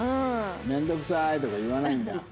「面倒くさい」とか言わないんだ。